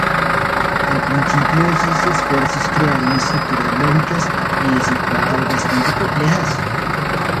Al principio, estos esfuerzos crearon estructuras lógicas y de circuito bastante complejas.